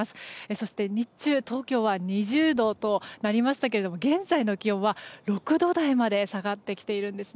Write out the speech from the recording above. そして日中、東京は２０度となりましたが現在の気温は６度台まで下がってきています。